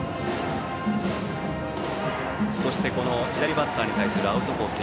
左バッターに対するアウトコース